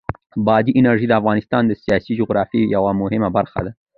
بادي انرژي د افغانستان د سیاسي جغرافیه یوه مهمه برخه ده.